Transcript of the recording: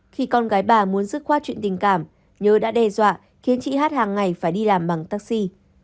khi con gái bà muốn rước qua chuyện tình cảm nhớ đã đe dọa khiến chị hát hàng ngày phải đi làm bằng taxi